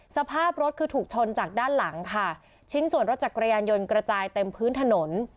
สภาพรถคือถูกชนจากด้านหลังค่ะชิ้นส่วนรถจักรยานยนต์กระจายเต็มพื้นถนน